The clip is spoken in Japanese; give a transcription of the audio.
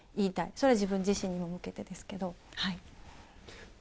それは自分自身にも向けてですけど。